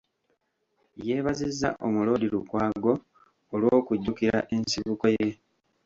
Yeebazizza Omuloodi Lukwago olw’okujjukira ensibuko ye